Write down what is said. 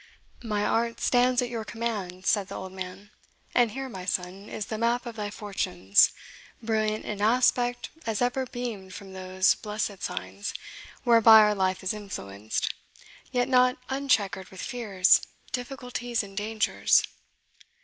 "My art stands at your command," said the old man; "and here, my son, is the map of thy fortunes, brilliant in aspect as ever beamed from those blessed signs whereby our life is influenced, yet not unchequered with fears, difficulties, and dangers."